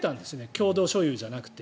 共同所有じゃなくて。